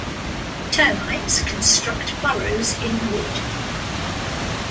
Termites construct burrows in wood.